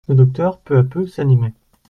Le docteur, peu à peu, s'animait.